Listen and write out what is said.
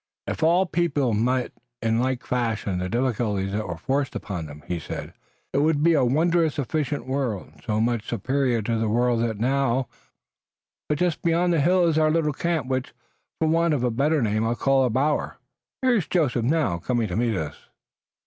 "If all people met in like fashion the difficulties that were forced upon them," he said, "it would be a wondrous efficient world, so much superior to the world that now is that one would never dream they had been the same. But just beyond the hill is our little camp which, for want of a better name, I'll call a bower. Here is Joseph, now, coming to meet us."